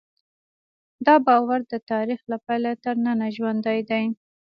دا باور د تاریخ له پیله تر ننه ژوندی دی.